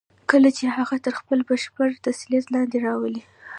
کله چې هغه تر خپل بشپړ تسلط لاندې راولئ.